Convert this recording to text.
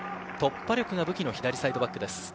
突破力が武器の左サイドバックです。